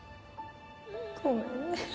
ごめんね。